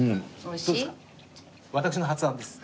私の発案です。